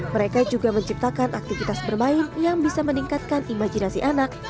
mereka juga menciptakan aktivitas bermain yang bisa meningkatkan imajinasi anak